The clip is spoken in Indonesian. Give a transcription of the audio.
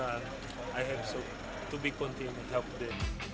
saya berharap bisa terus membantu mereka